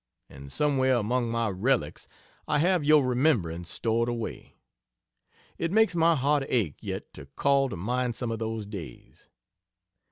And somewhere among my relics I have your remembrance stored away. It makes my heart ache yet to call to mind some of those days.